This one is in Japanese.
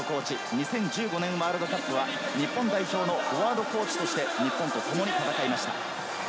２０１５年ワールドカップは日本代表のフォワードコーチとして日本と共に戦いました。